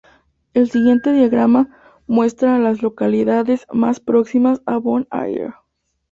El siguiente diagrama muestra a las localidades más próximas a Bon Air.